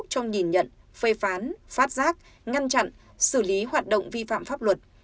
trong nhìn nhận phê phán phát giác ngăn chặn xử lý hoạt động vi phạm pháp luật